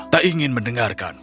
tak ingin mendengarkan